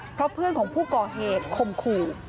เพราะเพื่อนของผู้ก่อเหตุคมขู่